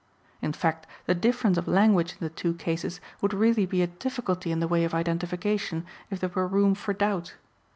* In fact the difference of language in the two cases would really be a difficulty in the way of identification, if there were room for doubt.